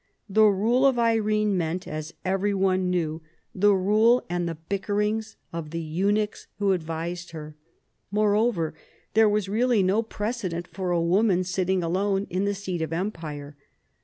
The rule of Irene meant, as every one knew, the rule and the RELATIONS WITH THE EAST. 239 bickerings of the eunuchs who advised her. More over, there was really no precedent for a woman sit ting alone in the seat of empire.